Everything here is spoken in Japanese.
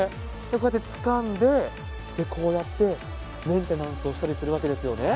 こうやってつかんで、こうやって、メンテナンスをしたりするわけですよね。